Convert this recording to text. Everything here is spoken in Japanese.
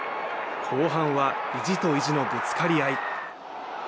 後半は意地と意地のぶつかり合い。